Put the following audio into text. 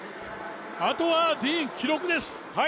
あとはディーン、記録です！